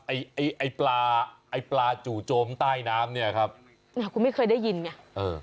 ไอ้ไอ้ไอ้ปลาไอ้ปลาจู่โจมใต้น้ำเนี่ยครับเนี่ยคุณไม่เคยได้ยินไงเออ